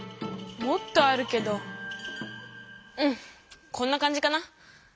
もっとあるけどうんこんなかんじかな。